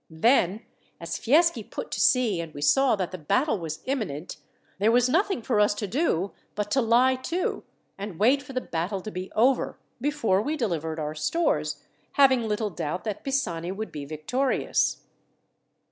Then, as Fieschi put to sea and we saw that the battle was imminent, there was nothing for us to do but to lie to, and wait for the battle to be over, before we delivered our stores, having little doubt that Pisani would be victorious."